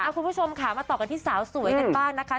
คุณผู้ชมค่ะมาต่อกันที่สาวสวยกันบ้างนะคะ